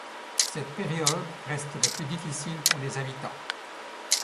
Cette période reste la plus difficile pour les habitants.